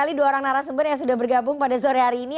yang sudah bergabung pada sore hari ini